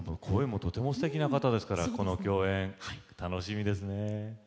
声もとてもすてきな方ですからこの共演楽しみですね。